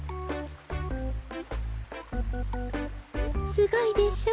すごいでしょ。